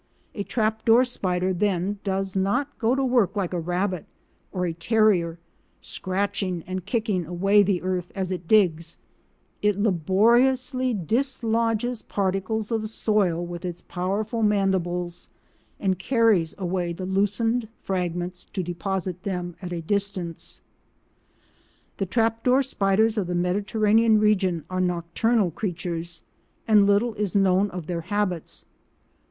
A trap door spider, then, does not go to work like a rabbit, or a terrier, scratching and kicking away the earth as it digs; it laboriously dislodges particles of soil with its powerful mandibles, and carries away the loosened fragments to deposit them at a distance. The trap door spiders of the Mediterranean region are nocturnal creatures, and little is known of their habits.